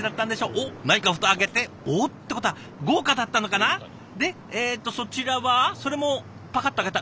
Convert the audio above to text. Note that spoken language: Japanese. おっ何か蓋開けておっ？ってことは豪華だったのかな？でえっとそちらはそれもパカッと開けた。